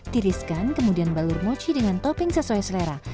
tiriskan kemudian balur mochi dengan topping sesuai selera